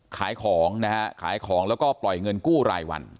ขายของนะฮะขายของแล้วก็ปล่อยเงินกู้รายวัน